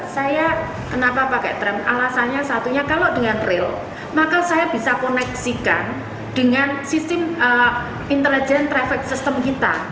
saya kenapa pakai tram alasannya satunya kalau dengan real maka saya bisa koneksikan dengan sistem intelligent traffic system kita